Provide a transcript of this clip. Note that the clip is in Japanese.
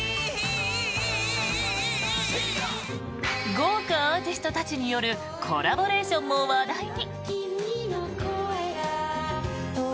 豪華アーティストたちによるコラボレーションも話題に。